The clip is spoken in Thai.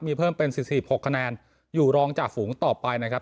มีเพิ่มเป็น๔๖คะแนนอยู่รองจากฝูงต่อไปนะครับ